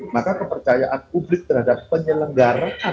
maka kepercayaan publik terhadap penyelenggara pemilu itu tidak bagus